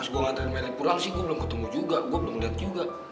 pas gua ngantriin melik kurang sih gua belum ketemu juga gua belum liat juga